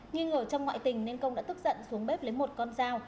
nhưng ở trong ngoại tình nên công đã tức giận xuống bếp lấy một con dao